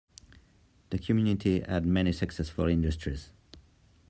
The Community had many successful industries.